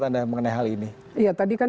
anda mengenai hal ini ya tadi kan